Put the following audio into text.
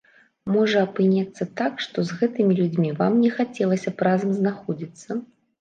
Можа апынецца так, што з гэтымі людзьмі вам не хацелася б разам знаходзіцца?